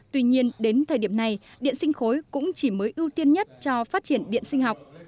tuy nhiên đến thời điểm này điện sinh khối cũng chỉ mới ưu tiên nhất cho phát triển điện sinh học